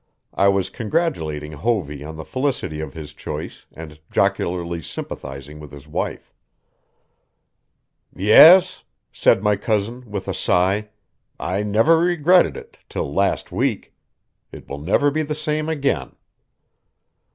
I was congratulating Hovey on the felicity of his choice and jocularly sympathizing with his wife. "Yes," said my cousin, with a sigh, "I never regretted it till last week. It will never be the same again."